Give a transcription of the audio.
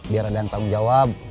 biar ada yang tanggung jawab